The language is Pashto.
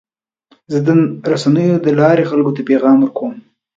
زه د رسنیو له لارې خلکو ته پیغام ورکوم.